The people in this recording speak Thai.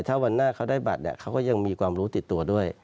ถ้าวันหน้าเขาได้บัตรเขาก็ยังมีความรู้ติดตัวด้วย